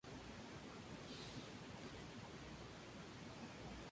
Es un volcán activo.